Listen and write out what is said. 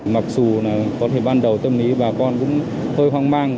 mặc dù là có thể ban đầu tâm lý bà con cũng hơi hoang mang